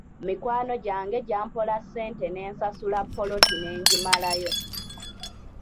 Mikwano gyange gyampola ssente ne nsasula ppoloti ne ngimalayo.